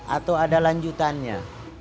atau ada lanjutannya